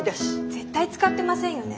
絶対使ってませんよね